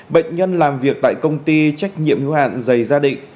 bệnh nhân làm việc tại công ty trách nhiệm hữu hạn dày gia định